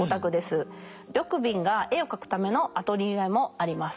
緑敏が絵を描くためのアトリエもあります。